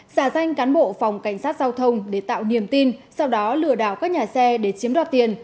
giả danh cán bộ phòng cảnh sát giao thông để tạo niềm tin sau đó lừa đảo các nhà xe để chiếm đoạt tiền